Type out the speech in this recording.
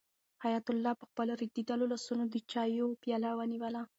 حیات الله په خپلو ریږېدلو لاسونو د چایو پیاله ونیوله.